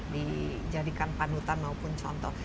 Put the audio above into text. dijadikan panutan maupun contoh